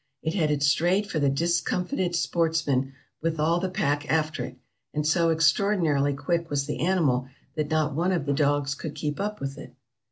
It headed straight for the discomfited sportsmen, with all the pack after it, and so extraordinarily quick was the animal, that not one of the dogs could keep up with it.